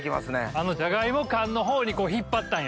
あのジャガイモ感のほうに引っ張ったんや。